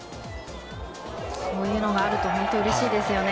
こういうのがあるとうれしいですよね。